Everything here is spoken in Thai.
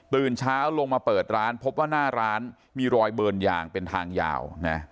เช้าลงมาเปิดร้านพบว่าหน้าร้านมีรอยเบิร์นยางเป็นทางยาวนะ